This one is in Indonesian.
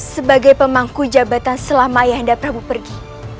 sebagai pemangku jabatan selama ayah anda prabu pergi